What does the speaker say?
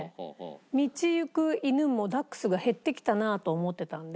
道行く犬もダックスが減ってきたなと思ってたので。